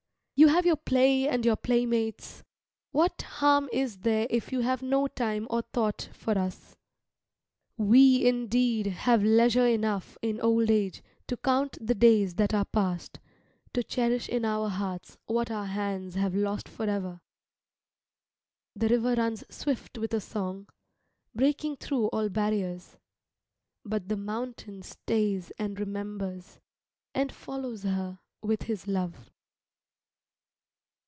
You have your play and your playmates. What harm is there if you have no time or thought for us. We, indeed, have leisure enough in old age to count the days that are past, to cherish in our hearts what our hands have lost for ever. The river runs swift with a song, breaking through all barriers. But the mountain stays and remembers, and follows her with his love.